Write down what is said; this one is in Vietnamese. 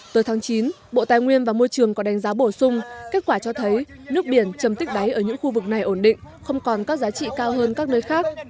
tới tháng chín bộ tài nguyên và môi trường có đánh giá bổ sung kết quả cho thấy nước biển chầm tích đáy ở những khu vực này ổn định không còn các giá trị cao hơn các nơi khác